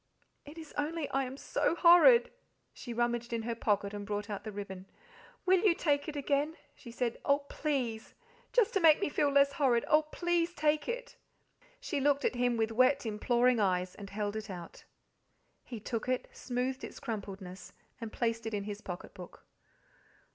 It is only I am so horrid." She rummaged in her pocket and brought out the ribbon. "Will you take it again?" she said "oh, PLEASE, just to make me feel less horrid. Oh, please take it!" She looked at him with wet, imploring eyes, and held it out. He took it, smoothed its crumpledness, and placed it in his pocket book.